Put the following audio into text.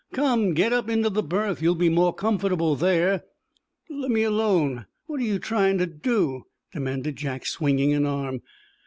"Come, get up into the berth. You'll be more comfortable there." "Lemme alone. What are you trying to do?" demanded Jack, swinging an arm.